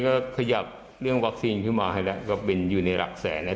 ก็ขยับเรื่องวัคซีนขึ้นมาให้แล้วก็บินอยู่ในหลักแสนแล้ว